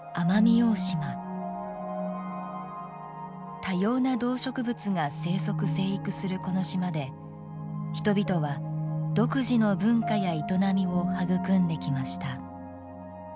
多様な動植物が生殖、生育するこの島で、人々は独自の文化や営みを育んできました。